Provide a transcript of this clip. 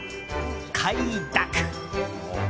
快諾！